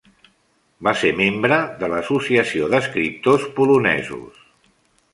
Va ser membre de l'Associació d'escriptors polonesos.